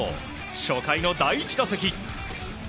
初回の第１打席。